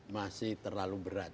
masih terlalu berat